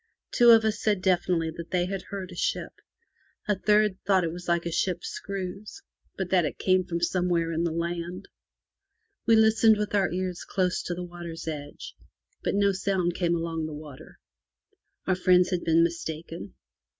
Two of us said definitely that they had heard a ship; a third thought that it was like a ship's screws, but that it came from somewhere in the land. We listened with our ears close to the water's edge, but no sound came along the water. Our friends had been mistaken.